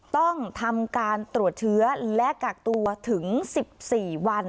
ต้องทำการตรวจเชื้อและกักตัวถึง๑๔วัน